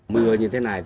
mưa như thế này